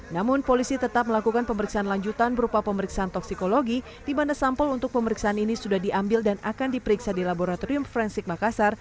namun polisi tetap melakukan pemeriksaan lanjutan berupa pemeriksaan toksikologi di mana sampel untuk pemeriksaan ini sudah diambil dan akan diperiksa di laboratorium forensik makassar